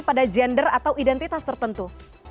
pada gender atau identitas tertentu